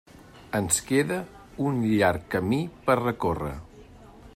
Ens queda un llarg camí per recórrer.